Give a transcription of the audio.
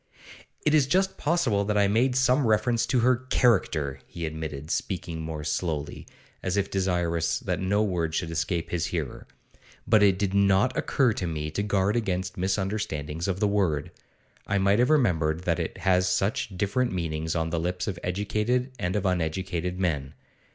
'It is just possible that I made some reference to her character,' he admitted, speaking more slowly, and as if desirous that no word should escape his hearer; 'but it did not occur to me to guard against misunderstandings of the word. I might have remembered that it has such different meanings on the lips of educated and of uneducated men.